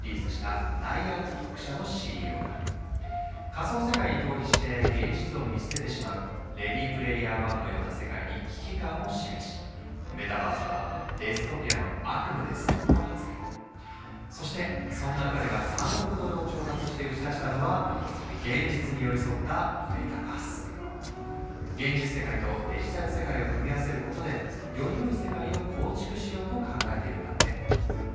仮想世界に逃避して現実を見捨ててしまう「レディ・プレイヤー１」のような世界に危機感を示しそしてそんな彼が３億ドルを調達して打ち出したのは現実世界とデジタル世界を組み合わせることでよりよい世界を構築しようと考えているんだって。